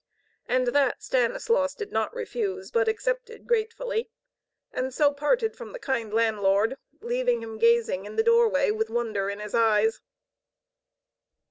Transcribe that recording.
And that Stanislaus did not refuse, but accepted gratefully, and so parted from the kind landlord, leaving him gazing in the doorway with wonder in his eyes.